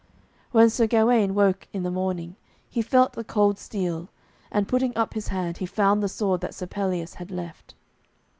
When Sir Gawaine woke in the morning, he felt the cold steel, and putting up his hand, he found the sword that Sir Pelleas had left.